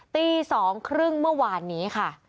ตีสองครึ่งเมื่อวานนี้ค่ะ